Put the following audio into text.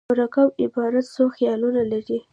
مرکب عبارت څو خیالونه لري.